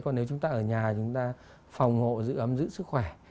còn nếu chúng ta ở nhà chúng ta phòng hộ giữ ấm giữ sức khỏe